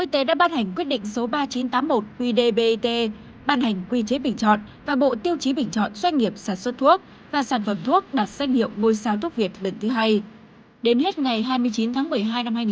hai lên sản phẩm thuốc có thời gian lưu hành và phát triển lâu dài